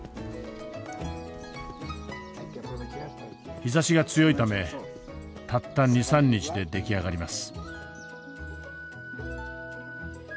日ざしが強いためたった２３日で出来上がります。